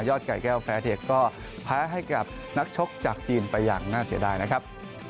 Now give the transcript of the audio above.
ไก่แก้วแฟร์เทคก็แพ้ให้กับนักชกจากจีนไปอย่างน่าเสียดายนะครับ